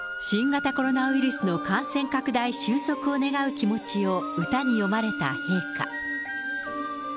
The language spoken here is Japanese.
新型コロナウイルスの感染拡大収束を願う気持ちを歌に詠まれた陛下。